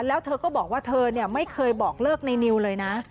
แล้วเธอก็บอกว่าเธอไม่เคยบอกเลิกในนิวเลยนะ